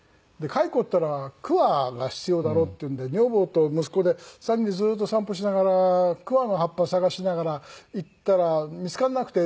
蚕っていったら桑が必要だろうっていうんで女房と息子で３人でずーっと散歩しながら桑の葉っぱを探しながら行ったら見付からなくて。